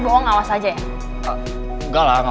gue gak sengaja tau